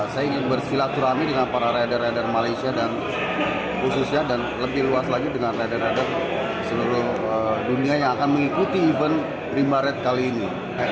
saya ingin bersilaturahmi dengan para rider rider malaysia dan khususnya dan lebih luas lagi dengan rider rider seluruh dunia yang akan mengikuti event rimba rad kali ini